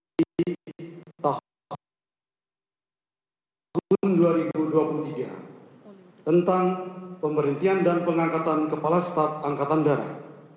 di tahun dua ribu dua puluh tiga tentang pemberhentian dan pengangkatan kepala staf angkatan darat